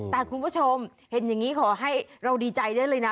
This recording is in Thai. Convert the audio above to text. แต่คุณผู้ชมเห็นอย่างนี้ขอให้เราดีใจได้เลยนะ